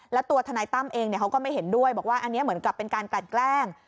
แล้วตัวทนายตั้มเองเขาก็ไม่เห็นด้วยบอกว่าอันนี้เหมือนกับเป็นการกลั่นแกล้ง